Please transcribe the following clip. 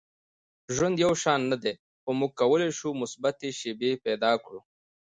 • ژوند یو شان نه دی، خو موږ کولی شو مثبتې شیبې پیدا کړو.